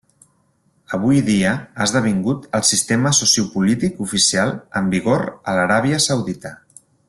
Avui dia ha esdevingut el sistema sociopolític oficial en vigor a l'Aràbia Saudita.